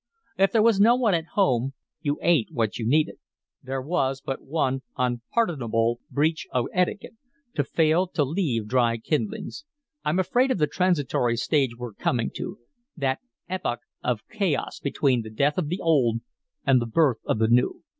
If there was no one at home, you ate what you needed. There was but one unpardonable breach of etiquette to fail to leave dry kindlings. I'm afraid of the transitory stage we're coming to that epoch of chaos between the death of the old and the birth of the new.